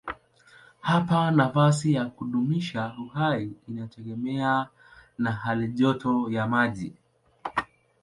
Hapa nafasi ya kudumisha uhai inategemea na halijoto ya maji.